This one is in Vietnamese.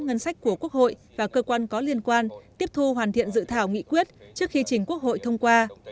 ngân sách của quốc hội và cơ quan có liên quan tiếp thu hoàn thiện dự thảo nghị quyết trước khi chỉnh quốc hội thông qua